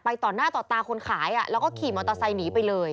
ต่อหน้าต่อตาคนขายแล้วก็ขี่มอเตอร์ไซค์หนีไปเลย